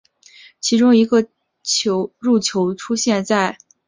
其中一个入球出现在这个赛季的最后一天并帮助他所在的球队晋级到德乙联赛。